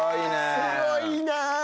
すごいなあ。